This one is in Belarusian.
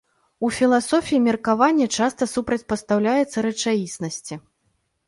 У філасофіі меркаванне часта супрацьпастаўляецца рэчаіснасці.